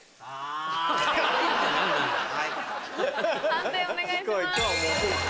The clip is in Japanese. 判定お願いします。